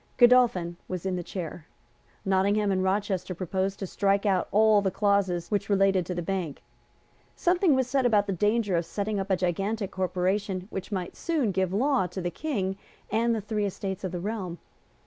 Godolphin was in the chair. Nottingham and Rochester proposed to strike out all the clauses which related to the Bank. Something was said about the danger of setting up a gigantic corporation which might soon give law to the King and the three Estates of the Realm.